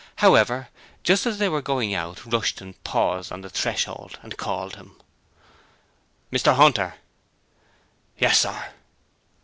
However, just as they were going out, Rushton paused on the threshold and called him: 'Mr Hunter!' 'Yes, sir.'